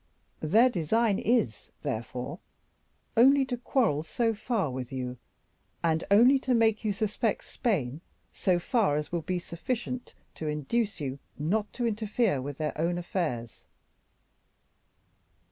Their design is, therefore, only to quarrel so far with you, and only to make you suspect Spain so far, as will be sufficient to induce you not to interfere with their own affairs."